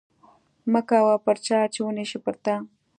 مه کوه پر چا چې ونشي پر تا